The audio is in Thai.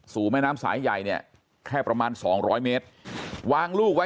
สู่แม่น้ำสายใหญ่เนี่ยแค่ประมาณ๒๐๐เมตรวางลูกไว้